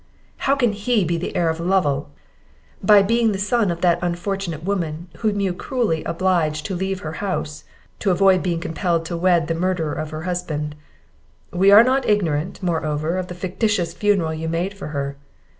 "How can he be the heir of Lovel?" "By being the son of that unfortunate woman, whom you cruelly obliged to leave her own house, to avoid being compelled to wed the murderer of her husband: we are not ignorant, moreover, of the fictitious funeral you made for her.